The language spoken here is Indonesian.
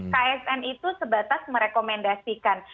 ksn itu sebatas merekomendasikan